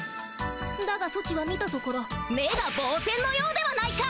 だがソチは見たところ目がぼう線のようではないか！